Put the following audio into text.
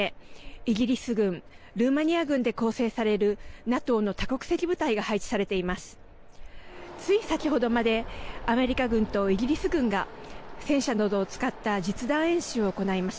イギリス軍ルーマニア軍で構成されるＮＡＴＯの多国籍部隊が配置されています。